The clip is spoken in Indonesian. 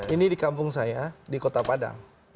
ini di kampung saya di kota padang